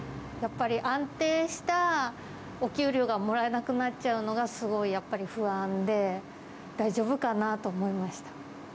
やっぱり、安定したお給料がもらえなくなっちゃうのが、すごいやっぱり不安で、大丈夫かな？と思いました。